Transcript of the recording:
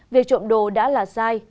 việc trộm đồ đã là sao